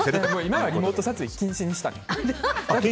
今はリモート撮影禁止にした。